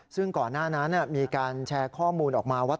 ซึ่งก่อนหน้านั้นมีการแชร์ข้อมูลออกมาว่า